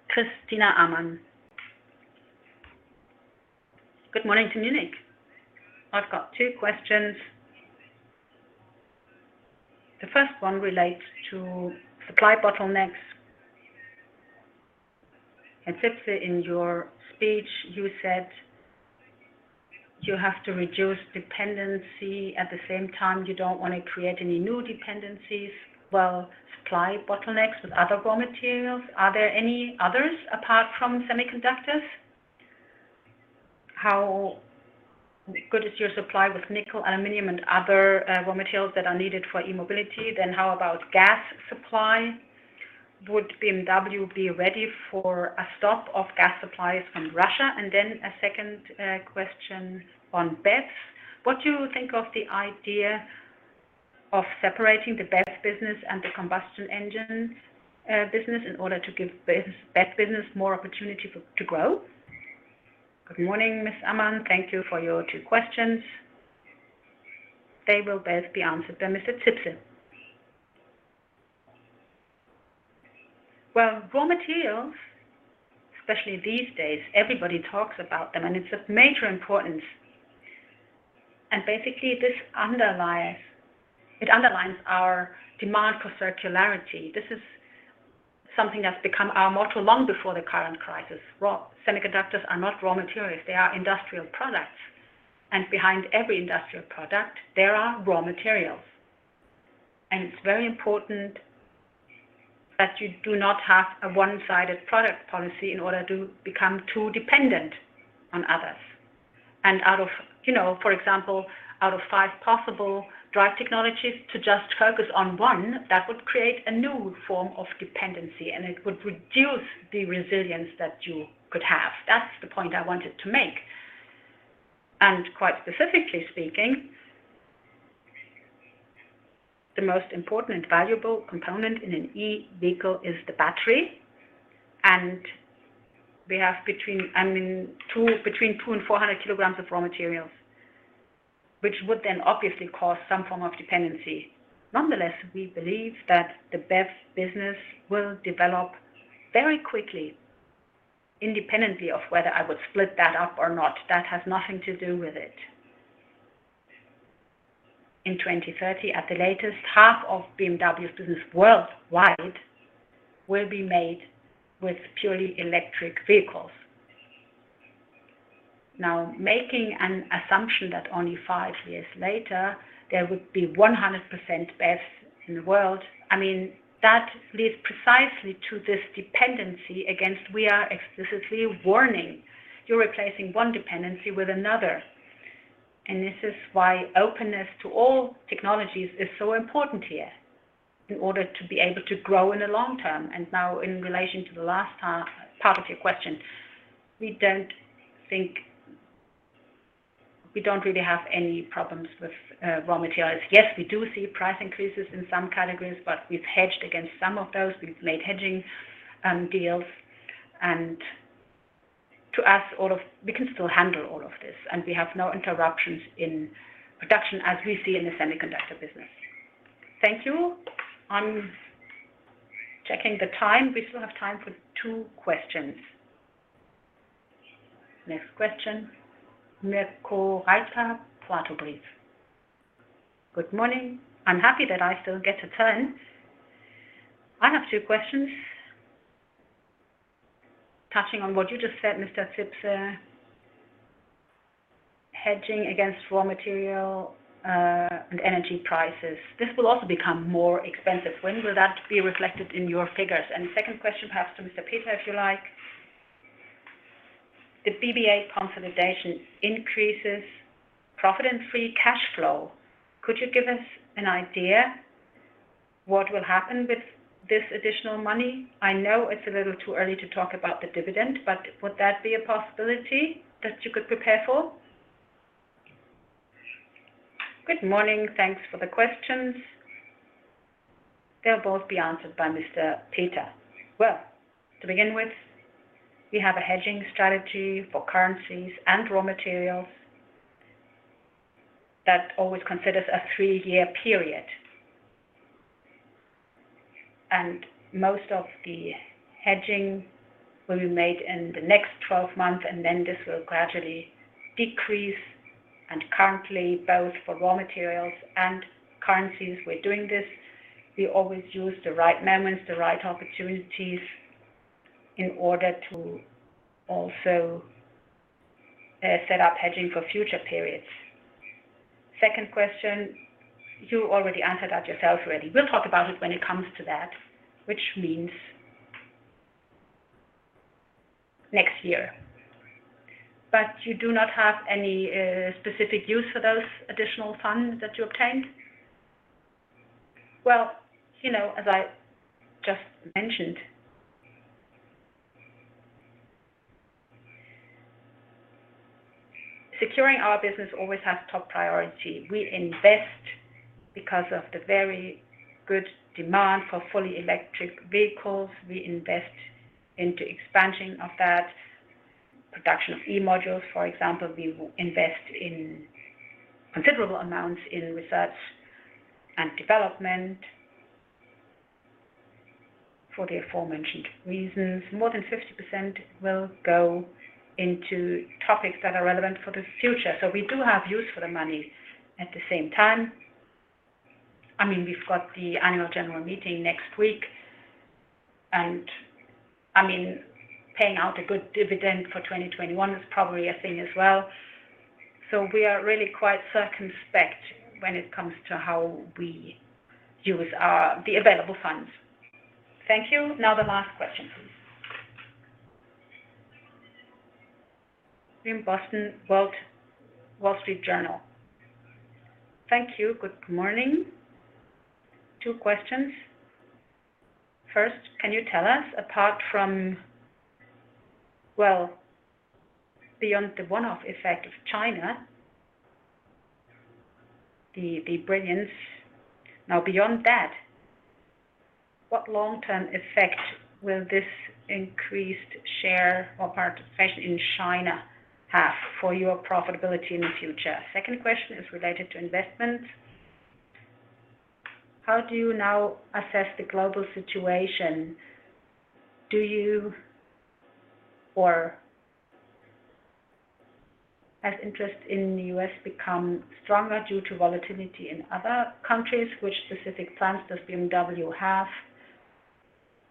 A: Christina Aman. Good morning to Munich. I've got two questions. The first one relates to supply bottlenecks. Zipse, in your speech, you said you have to reduce dependency. At the same time, you don't want to create any new dependencies. Well, supply bottlenecks with other raw materials, are there any others apart from semiconductors? How good is your supply with nickel, aluminum, and other, raw materials that are needed for e-mobility? How about gas supply? Would BMW be ready for a stop of gas supplies from Russia? Then a second question on BEV. What do you think of the idea of separating the BEV business and the combustion engine business in order to give BEV business more opportunity for, to grow? Good morning, Ms. Aman. Thank you for your two questions. They will both be answered by Mr. Zipse. Well, raw materials, especially these days, everybody talks about them, and it's of major importance. Basically, this underlies, it underlines our demand for circularity. This is something that's become our motto long before the current crisis. Semiconductors are not raw materials, they are industrial products. Behind every industrial product, there are raw materials. It's very important that you do not have a one-sided product policy in order to become too dependent on others. Out of, you know, for example, out of five possible drive technologies, to just focus on one, that would create a new form of dependency, and it would reduce the resilience that you could have. That's the point I wanted to make. Quite specifically speaking, the most important and valuable component in an e-vehicle is the battery. We have between, I mean, two, between 200 and 400 kilograms of raw materials, which would then obviously cause some form of dependency. Nonetheless, we believe that the BEV business will develop very quickly, independently of whether I would split that up or not. That has nothing to do with it. In 2030 at the latest, half of BMW business worldwide will be made with purely electric vehicles. Now, making an assumption that only five years later there would be 100% BEV in the world, I mean, that leads precisely to this dependency against we are explicitly warning. You're replacing one dependency with another. This is why openness to all technologies is so important here in order to be able to grow in the long term. Now in relation to the last latter part of your question, we don't really have any problems with raw materials. Yes, we do see price increases in some categories, but we've hedged against some of those. We've made hedging deals. To us, we can still handle all of this, and we have no interruptions in production as we see in the semiconductor business. Thank you. I'm checking the time. We still have time for two questions.
J: Next question, Mirko Reitz, Platow. Good morning. I'm happy that I still get a turn. I have two questions. Touching on what you just said, Mr. Zipse, hedging against raw material, and energy prices, this will also become more expensive. When will that be reflected in your figures? And second question, perhaps to Mr. Peter, if you like. The BBA consolidation increases profit and free cash flow. Could you give us an idea what will happen with this additional money? I know it's a little too early to talk about the dividend, but would that be a possibility that you could prepare for? Good morning. Thanks for the questions. They'll both be answered by Mr. Peter. Well, to begin with, we have a hedging strategy for currencies and raw materials that always considers a three-year period.
A: Most of the hedging will be made in the next 12 months, and then this will gradually decrease. Currently, both for raw materials and currencies, we're doing this. We always use the right moments, the right opportunities in order to also set up hedging for future periods. Second question, you already answered that yourself. We'll talk about it when it comes to that, which means next year. But you do not have any specific use for those additional funds that you obtained? Well, you know, as I just mentioned, securing our business always has top priority. We invest because of the very good demand for fully electric vehicles. We invest into expansion of that production of E-modules. For example, we will invest in considerable amounts in research and development for the aforementioned reasons. More than 50% will go into topics that are relevant for the future. We do have use for the money at the same time. I mean, we've got the annual general meeting next week, and, I mean, paying out a good dividend for 2021 is probably a thing as well. We are really quite circumspect when it comes to how we use the available funds. Thank you. Now the last question, please. Tim Higgins, The Wall Street Journal. Thank you. Good morning. Two questions. First, can you tell us apart from. Well, beyond the one-off effect of China, the Brilliance. Beyond that, what long-term effect will this increased share or participation in China have for your profitability in the future? Second question is related to investment. How do you now assess the global situation?
K: Due to our interest in the U.S. become stronger due to volatility in other countries, what specific plans does BMW have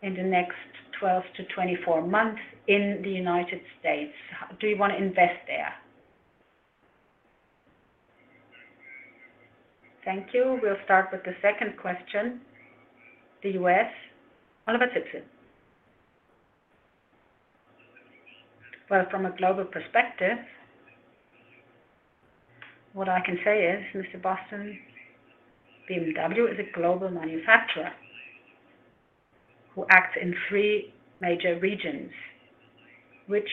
K: in the next 12-24 months in the United States? Do you want to invest there? Thank you. We'll start with the second question. The U.S. Oliver Zipse. Well, from a global perspective, what I can say is, Mr. Higgins, BMW is a global manufacturer who acts in three major regions, which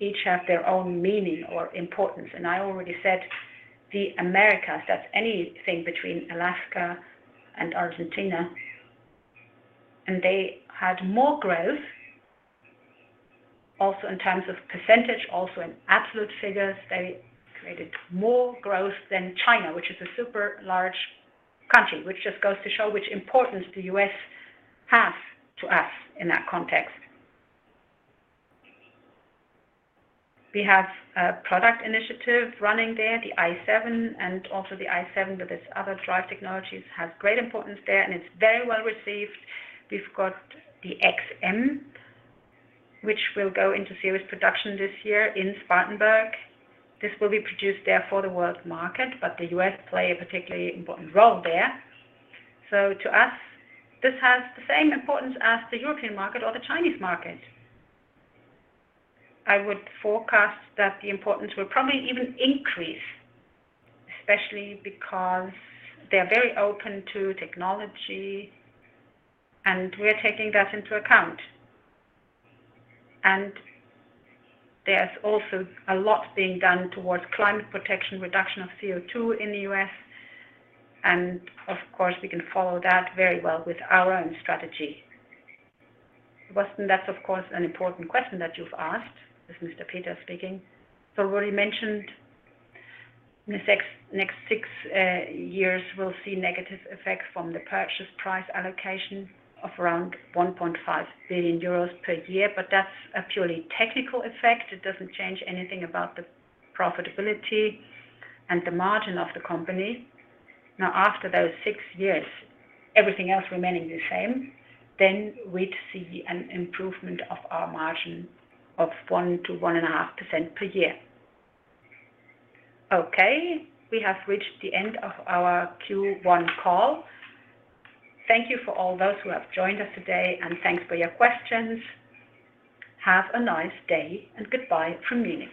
K: each have their own meaning or importance. I already said the Americas, that's anything between Alaska and Argentina, and they had more growth also in terms of percentage, also in absolute figures, they created more growth than China, which is a super large country, which just goes to show which importance the U.S. has to us in that context.
A: We have a product initiative running there, the i7, but its other drive technologies has great importance there, and it's very well received. We've got the XM, which will go into series production this year in Spartanburg. This will be produced there for the world market, but the US play a particularly important role there. To us, this has the same importance as the European market or the Chinese market. I would forecast that the importance will probably even increase, especially because they are very open to technology, and we are taking that into account. There's also a lot being done towards climate protection, reduction of CO2 in the US, and of course, we can follow that very well with our own strategy. Tim Higgins, that's of course an important question that you've asked. This is Nicolas Peter speaking. We already mentioned in the next 6 years, we'll see negative effects from the purchase price allocation of around 1.5 billion euros per year. That's a purely technical effect. It doesn't change anything about the profitability and the margin of the company. Now, after those 6 years, everything else remaining the same, then we'd see an improvement of our margin of 1%-1.5% per year. Okay. We have reached the end of our Q1 call. Thank you for all those who have joined us today, and thanks for your questions. Have a nice day and goodbye from Munich.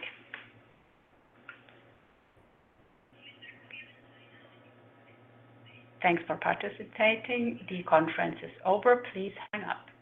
A: Thanks for participating. The conference is over. Please hang up.